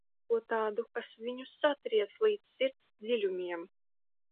Sūzana atklāj ko tādu, kas viņu satriec līdz sirds dziļumiem.